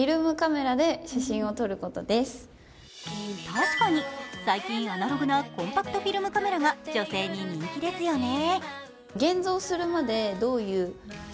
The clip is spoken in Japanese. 確かに最近、アナログなコンパクトフィルムカメラが女性に人気ですよね。